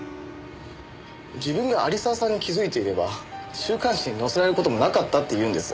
自分が有沢さんに気づいていれば週刊誌に載せられる事もなかったっていうんです。